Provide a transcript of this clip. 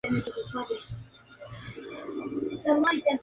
Compuso tocatas, fantasías, fugas, pasacalles y sonatas.